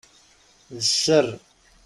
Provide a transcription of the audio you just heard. D sser.